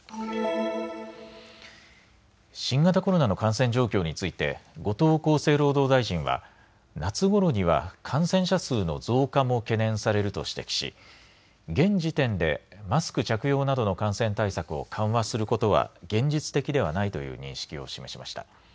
新型コロナの感染状況について後藤厚生労働大臣は夏ごろには感染者数の増加も懸念されると指摘し現時点でマスク着用などの感染対策を緩和することは現実的ではないという認識を示しました。